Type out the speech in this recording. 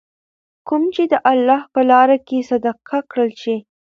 کوم چې د الله په لاره کي صدقه کړل شي .